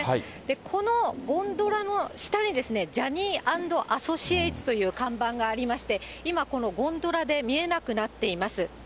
このゴンドラの下に、ジャニーアンドアソシエイツという看板がありまして、今、このゴンドラで見えなくなっています。